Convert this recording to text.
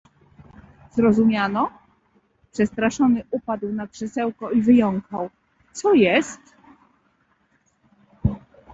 "Zrozumiano?“ Przestraszony upadł na krzesełko i wyjąkał: „Co jest?"